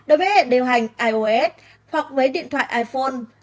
đối với hệ điều hành ios hoặc máy điện thoại iphone